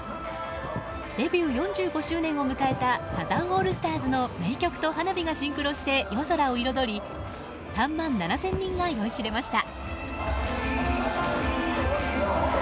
デビュー４５周年を迎えたサザンオールスターズの名曲と花火がシンクロして夜空を彩り３万７０００人が酔いしれました。